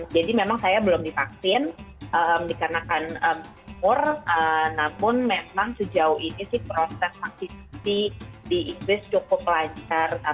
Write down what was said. jadi memang saya belum divaksin dikarenakan umur namun memang sejauh ini sih proses vaksin di inggris cukup lancar